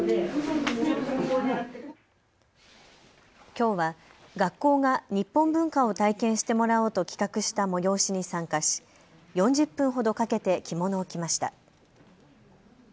きょうは学校が日本文化を体験してもらおうと企画した催しに参加し４０分ほどかけて着物を着ました。